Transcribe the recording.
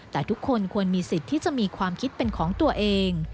แต่ทุกคนควรมีสิทธิ์ที่จะมีความคิดเป็นของตัวเอง